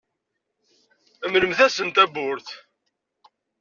Mlemt-asent tawwurt.